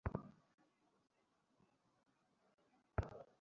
আমার নাম হারলিং মেজ।